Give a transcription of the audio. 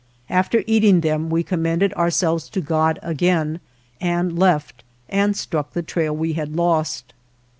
After eating them we recommended ourselves to God again, and left, and struck the trail we had lost.